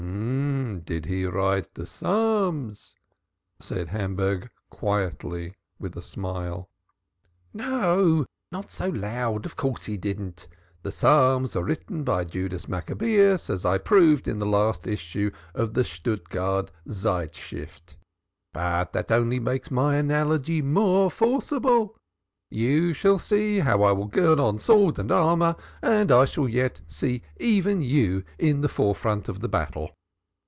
"Did he write the Psalms?" said Hamburg quietly, with a smile. "No not so loud! Of course he didn't! The Psalms were written by Judas Maccabaeus, as I proved in the last issue of the Stuttgard Zeitschrift. But that only makes my analogy more forcible. You shall see how I will gird on sword and armor, and I shall yet see even you in the forefront of the battle.